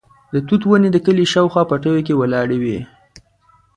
د توت ونې د کلي شاوخوا پټیو کې ولاړې وې.